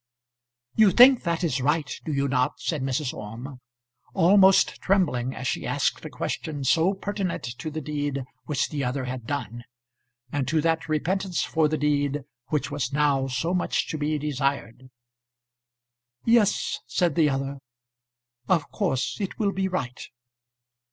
"You think that is right; do you not?" said Mrs. Orme, almost trembling as she asked a question so pertinent to the deed which the other had done, and to that repentance for the deed which was now so much to be desired. "Yes," said the other, "of course it will be right."